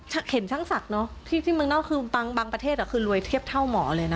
เห็นช่างศักดิ์ที่เมืองนอกคือบางประเทศคือรวยเทียบเท่าหมอเลยนะ